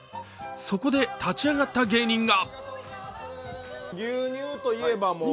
そこで立ち上がった芸人が。